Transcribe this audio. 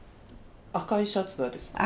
赤いシャツがですか？